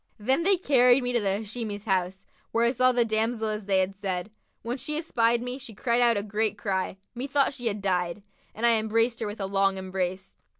Then they carried me to the Hashimi's house, where I saw the damsel as they had said. When she espied me, she cried out a great cry, methought she had died, and I embraced her with a long embrace.